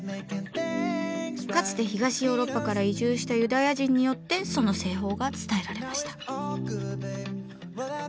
かつて東ヨーロッパから移住したユダヤ人によってその製法が伝えられました。